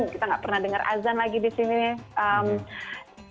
kita gak pernah dengar azan lagi di sini